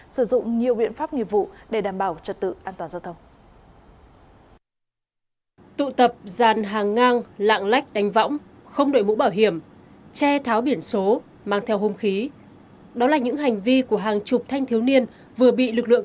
sử dụng nhiều biện pháp nghiệp vụ để đảm bảo trật tự an toàn giao thông